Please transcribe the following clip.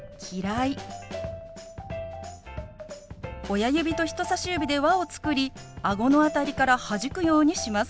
親指と人さし指で輪を作りあごの辺りからはじくようにします。